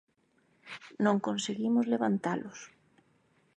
Non conseguimos levantalos.